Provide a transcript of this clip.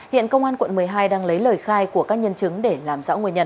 hiện công an quận một mươi hai đang lấy lời khai của các nhân chứng để làm rõ nguyên nhân